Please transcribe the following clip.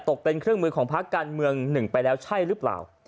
ตกเป็นเครื่องมือกับภาคกรรม๑ไปแล้วใช่หรือเปล่า